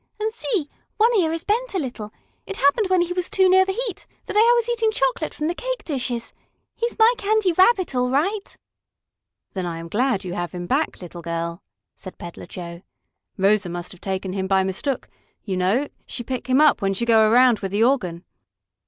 And, see! one ear is bent a little. It happened when he was too near the heat, the day I was eating chocolate from the cake dishes. He's my Candy Rabbit, all right!" "Then I am glad you have him back, little girl," said Peddler Joe. "Rosa must have take him by mistook, you know she pick him up when she go around with the organ."